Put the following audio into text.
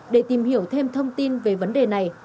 để tìm hiểu thêm thông tin về vấn đề này